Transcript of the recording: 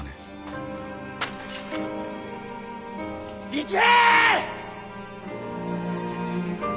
行け！